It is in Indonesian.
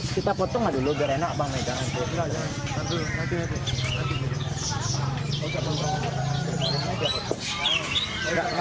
kekutusan sidik tangan pe vertz literally avaris